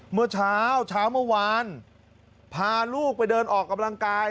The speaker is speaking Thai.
เมื่อเช้าเช้าเมื่อวานพาลูกไปเดินออกกำลังกาย